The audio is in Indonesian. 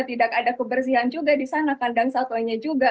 tidak ada kebersihan juga di sana kandang satwanya juga